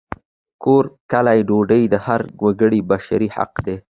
کور، کالي، ډوډۍ د هر وګړي بشري حق دی!